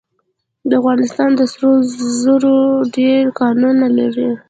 افغانستان د سرو زرو ډیر کانونه لري.